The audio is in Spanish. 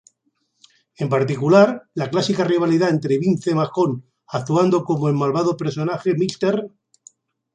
En particular, la clásica rivalidad entre Vince McMahon, actuando como el malvado personaje "Mr.